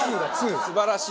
素晴らしい。